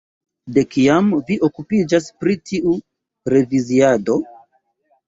De kiam vi okupiĝas pri tiu reviziado?